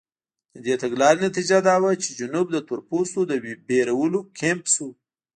د دې تګلارې نتیجه دا وه چې جنوب د تورپوستو د وېرولو کمپ شو.